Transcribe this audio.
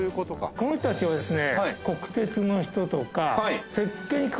この人たちはですね